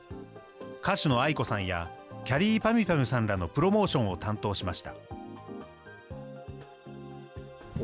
歌手のａｉｋｏさんやきゃりーぱみゅぱみゅさんらのプロモーションを担当しました。